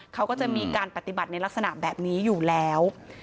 เขาก็จะมีการปฏิบัติในลักษณะแบบนี้อยู่แล้ว